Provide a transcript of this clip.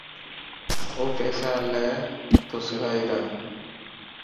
او پيسا لي تو سلائي را.